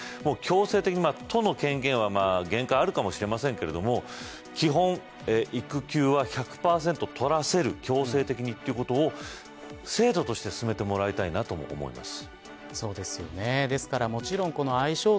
同時に、都の権限は限界があるかもしれませんが基本、育休は１００％取らせる強制的にということを制度として進めてもらいたいなと思います。